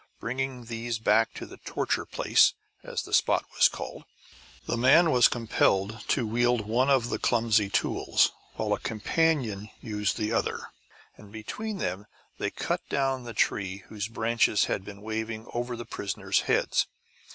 Bringing these back to the "torture place," as the spot was called, the man was compelled to wield one of the clumsy tools while a companion used the other; and between them they cut down the tree whose branches had been waving over the prisoners' heads.